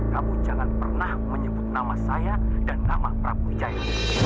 kamu jangan pernah menyebut nama saya dan nama prabu wijaya